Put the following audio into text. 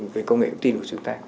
về công nghệ thông tin của chúng ta